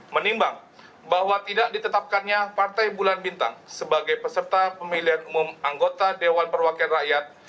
menimbang bahwa tidak ditetapkannya partai bulan bintang sebagai peserta pemilihan umum anggota dewan perwakilan rakyat